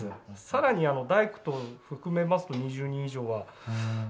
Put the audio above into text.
更に大工等含めますと２０人以上は。